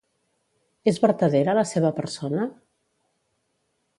És vertadera la seva persona?